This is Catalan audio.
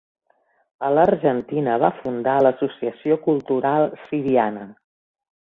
A l'Argentina va fundar l'Associació Cultural Siriana.